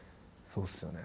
そうですよね。